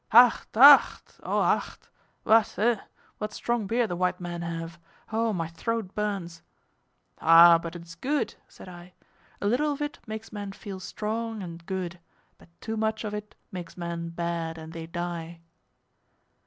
"Hacht, hacht, oh, hacht! what! eh! what strong beer the white men have! Oh, how my throat burns!" "Ah, but it is good," said I, "a little of it makes men feel strong, and good; but too much of it makes men bad, and they die."